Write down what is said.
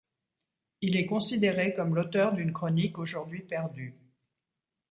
Il est considéré comme l'auteur d'une chronique aujourd'hui perdue.